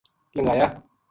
لنگھایا